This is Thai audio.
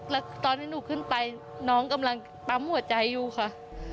แล้วตอนที่หนูขึ้นไปน้องกำลังปั๊มหัวใจอยู่ค่ะ